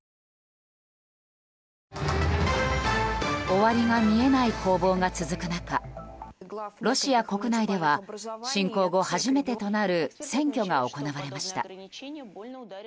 終わりが見えない攻防が続く中ロシア国内では侵攻後初めてとなる選挙が行われました。